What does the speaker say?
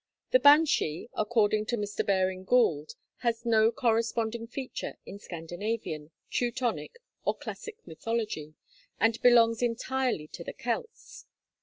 The banshee, according to Mr. Baring Gould, has no corresponding feature in Scandinavian, Teutonic, or classic mythology, and belongs entirely to the Celts.